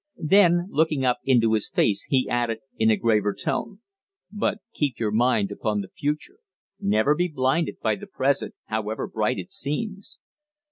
Then, looking up into his face, he added, in a graver tone, "But keep your mind upon the future; never be blinded by the present however bright it seems."